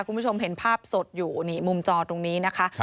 คุณผู้ชมเห็นภาพสดอยู่นี่มุมจอตรงนี้นะคะ